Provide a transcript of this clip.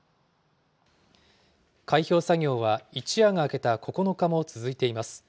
開票作業は、一夜が明けた９日も続いています。